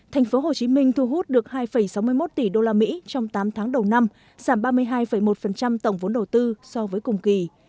tp hcm thu hút được hai sáu mươi một tỷ usd trong tám tháng đầu năm giảm ba mươi hai một tổng vốn đầu tư so với cùng kỳ